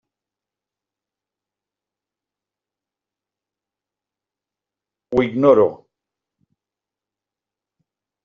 Ho ignoro.